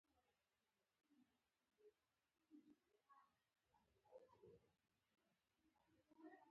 سخت درد راغلى و علم ما کړى او مسالې ده کولې.